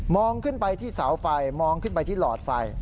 ขึ้นไปที่เสาไฟมองขึ้นไปที่หลอดไฟ